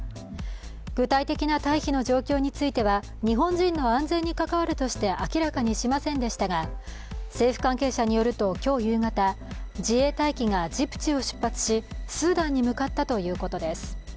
具体的な退避の状況については日本人の安全に関わるとして明らかにしませんでしたが、政府関係者によると今日夕方、自衛隊機がジブチを出発しスーダンに向かったということです。